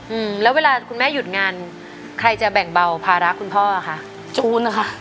อืมแล้วเวลาคุณแม่หยุดงานใครจะแบ่งเบาภาระคุณพ่อคะจูนเหรอคะ